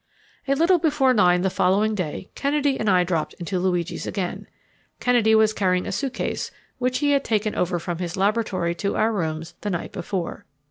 A little before nine the following day Kennedy and I dropped into Luigi's again. Kennedy was carrying a suitcase which he had taken over from his laboratory to our rooms the night before.